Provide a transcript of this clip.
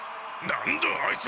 何だあいつ！